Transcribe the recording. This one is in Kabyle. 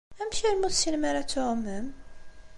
Amek armi ur tessinem ara ad tɛumem?